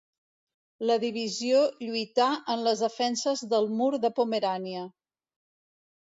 La Divisió lluità en les defenses del Mur de Pomerània.